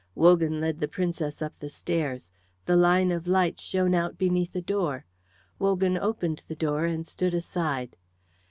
Wogan led the Princess up the stairs. The line of light shone out beneath a door. Wogan opened the door and stood aside.